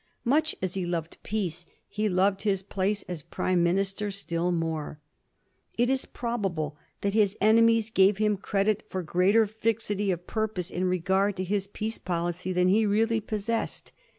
Much as he loved peace, he loved his place as Pnme Minister still more. It is probable that his enemies gave him credit for greater fixity of purpose in regard to his peace policy than he really possessed.